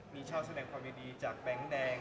มีชาวแสดงความยินดีจากแบงค์แดง